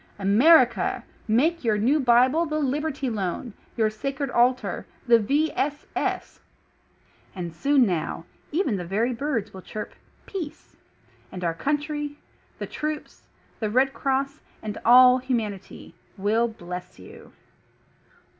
AMERICA : make your new bible the "Liberty Loan," your sacred altar — ^the "V. S. S !" And soon now, even the very birds will chirp PEACE. And our Country, the Troops, the Red Cross, and all humanity ,will BLESS YOU.